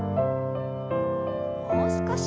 もう少し。